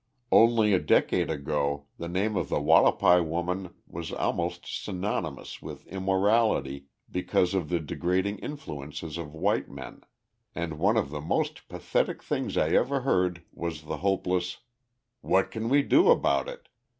Only a decade ago the name of the Wallapai woman was almost synonymous with immorality because of the degrading influences of white men, and one of the most pathetic things I ever heard was the hopeless "What can we do about it?"